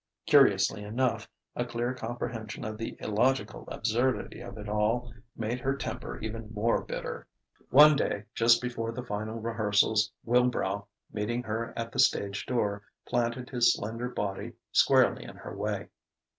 Curiously enough, a clear comprehension of the illogical absurdity of it all made her temper even more bitter. One day just before the final rehearsals, Wilbrow, meeting her at the stage door, planted his slender body squarely in her way.